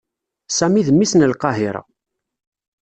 Sami d mmi-s n Lqahiṛa.